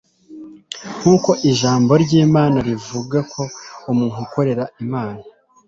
Nkuko ijambo ry'Imana ribivugako umuntu ukorera Imana